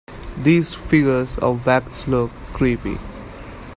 These figures of wax look creepy.